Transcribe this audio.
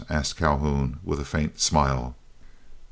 asked Calhoun, with a faint smile.